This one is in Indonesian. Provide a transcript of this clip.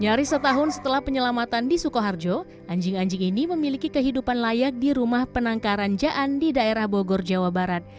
nyaris setahun setelah penyelamatan di sukoharjo anjing anjing ini memiliki kehidupan layak di rumah penangkaran jaan di daerah bogor jawa barat